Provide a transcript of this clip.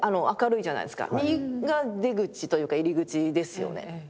右が出口というか入り口ですよね。